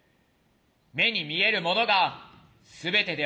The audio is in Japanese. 「目に見えるものが全てではない」と。